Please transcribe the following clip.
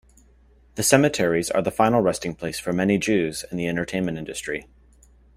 The cemeteries are the final resting place for many Jews in the entertainment industry.